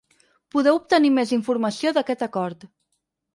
Podeu obtenir més informació d’aquest acord.